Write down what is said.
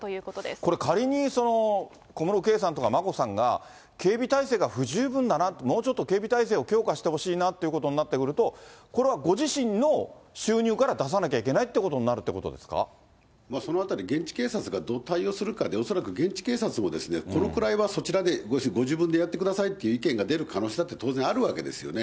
これ、仮に、小室圭さんとか眞子さんが、警備体制が不十分だな、もうちょっと警備体制を強化してほしいなっていうことになってくると、これはご自身の収入から出さなきゃいけないっていうことになるとそのあたり、現地警察がどう対応するかで、恐らく現地警察も、このくらいはそちらで、ご自分でやってくださいっていう意見が出る可能性だって当然あるわけですよね。